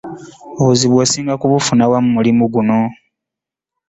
Obuzibu osinga kubufuna wa mu mulimu guno?